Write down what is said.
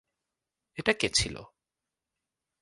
এটা কে ছিল?